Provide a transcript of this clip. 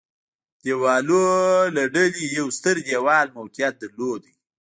دېوالونو له ډلې یو ستر دېوال موقعیت درلود.